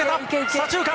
左中間。